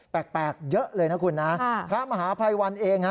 แปลกเยอะเลยนะคุณนะพระมหาภัยวันเองฮะ